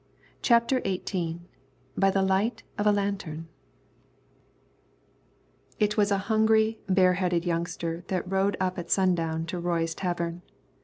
CHAPTER XVIII BY THE LIGHT OF A LANTERN It was a hungry, bareheaded youngster that rode up at sundown to Roy's tavern.